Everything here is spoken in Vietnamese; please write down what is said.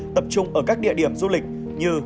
tập trung ở các địa điểm du lịch như